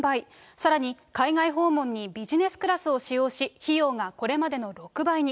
さらに海外訪問にビジネスクラスを使用し、費用がこれまでの６倍に。